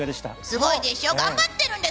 すごいでしょ。頑張ってるんです